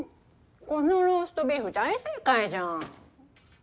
このローストビーフ大正解じゃん。